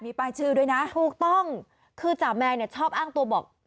มีป้ายชื่อด้วยนะถูกต้องคือจ่าแมนเนี่ยชอบอ้างตัวบอก